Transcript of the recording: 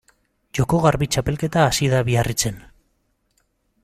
Joko Garbi txapelketa hasi da Miarritzen.